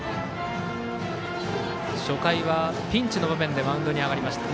初回は、ピンチの場面でマウンドに上がりました。